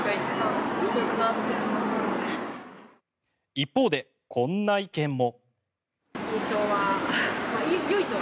一方でこんな意見も。